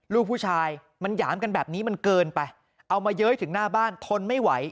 ลูกผู้ชายมันหยามกันแบบนี้มันเกินไปเอามาเย้ยถึงหน้าบ้านทนไม่ไหว